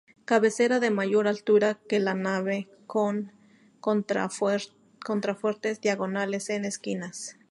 Cabecera de mayor altura que la nave, con contrafuertes diagonales en esquinas.